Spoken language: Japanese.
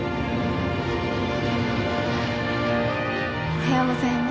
おはようございます。